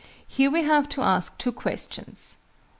Here we have to ask two questions.